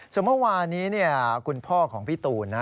ส่วนเมื่อวานี้คุณพ่อของพี่ตูน